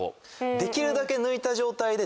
できるだけ抜いた状態で。